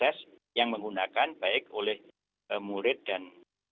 assbar mengatakan dalam aku melhorin terum